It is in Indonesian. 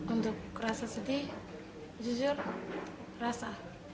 untuk rasa sedih jujur rasa